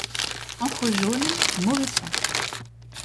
Encre jaune, mauvais sang.